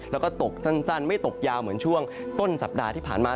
แล้วก็ตกสั้นไม่ตกยาวเหมือนช่วงต้นสัปดาห์ที่ผ่านมา